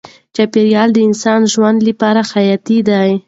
چاپیریال د انسان ژوند لپاره حیاتي دی.